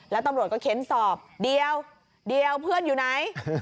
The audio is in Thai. แล้วตำรวจก็เค้นสอบเดียวเดี๋ยวเพื่อนอยู่ไหน